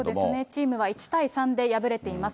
チームは１対３で敗れています。